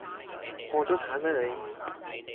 破咗產咩你？